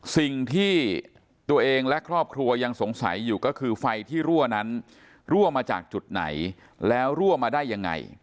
สิ่งที่ตัวเองและครอบครัวยังสงสัยอยู่ก็คือไฟที่รั่วนั้นรั่วมาจากจุดไหนแล้วรั่วมาได้ยังไง